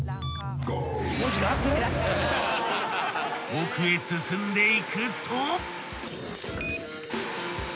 ［奥へ進んでいくと］